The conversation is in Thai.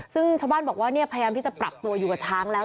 ซึ่งชาวบ้านบอกว่าพยายามที่จะปรับตัวอยู่กับช้างแล้ว